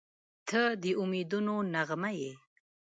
• ته د امیدونو نغمه یې.